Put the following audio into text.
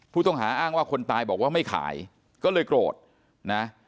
ผู้ต้องหาอ้างว่าคนตายบอกว่าไม่ขายก็เลยโกรธนะ